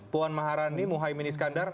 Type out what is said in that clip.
puan maharani muhaymin iskandar